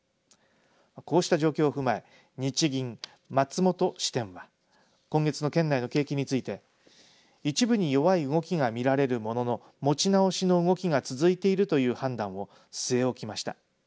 こうした状況を踏まえ日銀松本支店は今月の県内の景気について一部に弱い動きが見られるものの持ち直しの動きが続いているという判断を据え置きました。